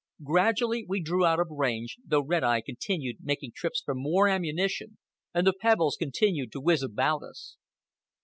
Gradually we drew out of range, though Red Eye continued making trips for more ammunition and the pebbles continued to whiz about us.